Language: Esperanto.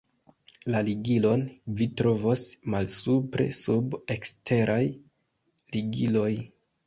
La ligilon vi trovos malsupre sub "Eksteraj ligiloj".